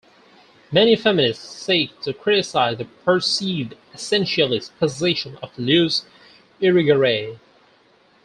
Many feminists seek to criticize the perceived essentialist positions of Luce Irigaray.